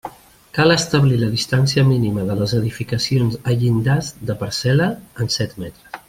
Cal establir la distància mínima de les edificacions a llindars de parcel·la en set metres.